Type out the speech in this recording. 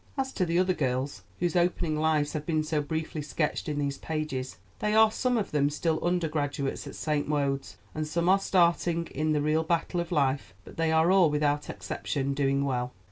As to the other girls, whose opening lives have been so briefly sketched in these pages, they are some of them still undergraduates at St. Wode's, and some are starting in the real battle of life; but they are all without exception doing well.